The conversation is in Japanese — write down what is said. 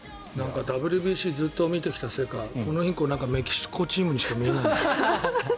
ＷＢＣをずっと見てきたせいかこのインコメキシコチームにしか見えない。